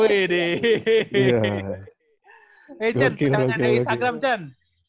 oke cen tanya tanya instagram cen